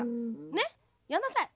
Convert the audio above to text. ねっ？やんなさい。